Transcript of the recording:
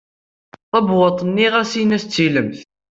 Tabewwaṭ-nni ɣas in-as d tilemt.